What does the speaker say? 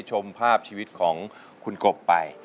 ชมภาพชีวิตของคุณกบไป